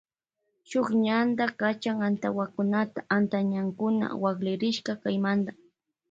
Shun ñanta kachan antawakunata antawañankuna waklirishka kaymanta.